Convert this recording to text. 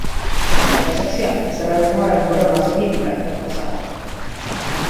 En esta sección, se rememoran bromas míticas del pasado.